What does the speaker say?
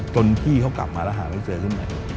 จนพี่เขากลับมาแล้วหาไม่เจอขึ้นใหม่